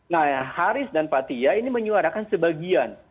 nah haris dan fathia ini menyuarakan sebagian